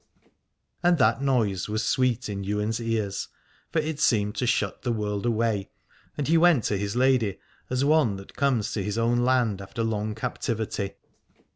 And that noise was sweet in Ywain's ears, for it seemed to shut the world away, and he went to his lady as one that comes to 261 Alad ore his own land after long captivity.